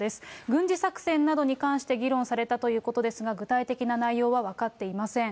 軍事作戦などに関して議論されたということですが、具体的な内容は分かっていません。